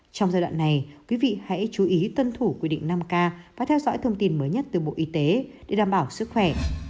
trong giai đoạn này quý vị hãy chú ý tuân thủ quy định năm k và theo dõi thông tin mới nhất từ bộ y tế để đảm bảo sức khỏe